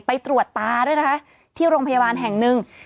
ไปตรวจตาด้วยนะคะที่โรงพยาบาลแห่งหนึ่ง